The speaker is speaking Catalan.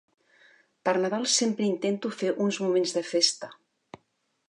Per Nadal sempre intento fer uns moments de festa.